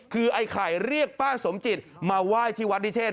คือไอ้ไข่เรียกป้าสมจิตมาไหว้ที่วัดนิเทศ